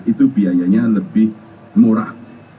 itu biayanya lebih murah